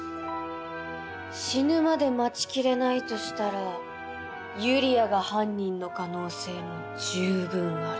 死ぬまで待ちきれないとしたらユリアが犯人の可能性も十分ある。